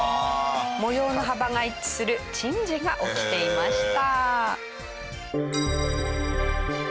模様の幅が一致する珍事が起きていました。